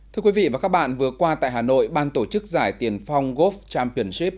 thưa quý vị và các bạn vừa qua tại hà nội ban tổ chức giải tiền phong golf championship